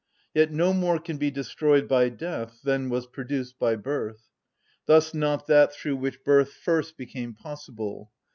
Yet no more can be destroyed by death than was produced by birth; thus not that through which birth first became possible.